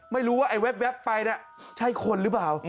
ไม่รู้ว่าไอ้แว๊บไปน่ะใช่คนหรือเปล่า